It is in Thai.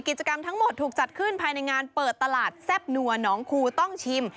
กิจกรรมทั้งหมดถูกจัดขึ้นภายในงานเปิดตลาดแซ่บนัวน้องคูต้องชิม